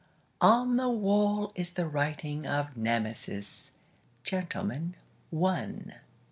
on the wall is the writing Of Nemesis, "Gentleman, One".